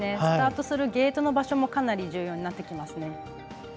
スタートするゲートの場所もかなり重要になってきますね。